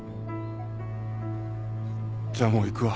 じゃもう行くわ。